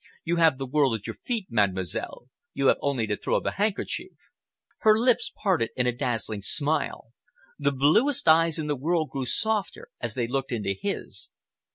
You have the world at your feet, Mademoiselle. You have only to throw the handkerchief." Her lips parted in a dazzling smile. The bluest eyes in the world grew softer as they looked into his.